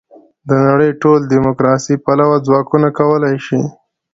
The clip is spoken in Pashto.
د نړۍ ټول دیموکراسي پلوه ځواکونه کولای شي.